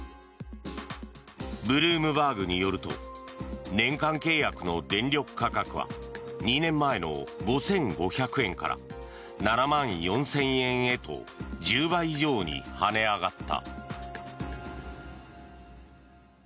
ブルームバーグによると年間契約の電力価格は２年前の５５００円から７万４０００円へと１０倍以上に跳ね上がった。